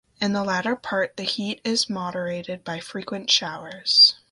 In the latter part, the heat is moderated by frequent showers.